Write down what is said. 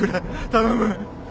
頼む。